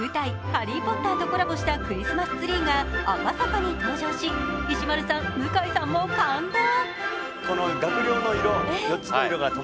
「ハリー・ポッター」とコラボしたクリスマスツリーが赤坂に登場し、石丸さん、向井さんも感動。